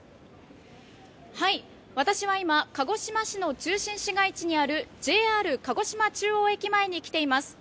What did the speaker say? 私は今、鹿児島市の中心市街地にあるＪＲ鹿児島中央駅前に来ています。